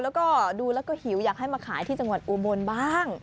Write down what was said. แล้วก็ดูแล้วก็หิวอยากให้มาขายที่จังหวัดอุบลบ้าง